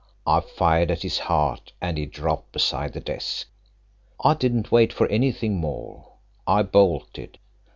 I fired at his heart and he dropped beside the desk, I didn't wait for anything more I bolted.